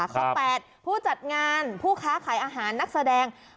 ข้อ๘ผู้จัดงานผู้ค้าขายอาหารนักแสดง